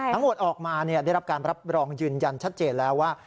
ออกมาได้รับการรับรองยืนยันชัดเจนแล้วว่า